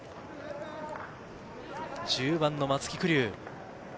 １０番の松木玖生。